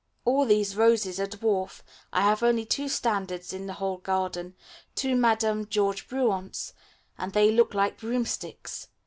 All these roses are dwarf; I have only two standards in the whole garden, two Madame George Bruants, and they look like broomsticks.